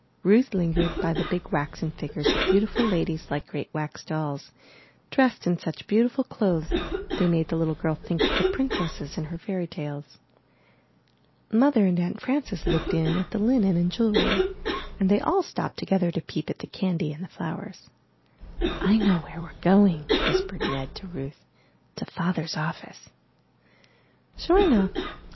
Ruth lingered by the big waxen figures of beautiful ladies like great wax dolls, dressed in such beautiful 410 IN THE NURSERY clothes they made the little girl think of the princesses in her fairy tales. Mother and Aunt Frances looked in at the linen and jewelry, and they all stopped together to peep at the candy and the flowers. *'I know where weVe going/' whispered Ned to Ruth. 'To Father's office.'' Sure enough.